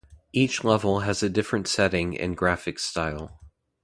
Each level has a different setting and graphics style.